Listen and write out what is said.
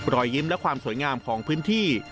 รอยยิ้มและความสวยงามของพื้นที่